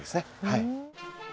はい。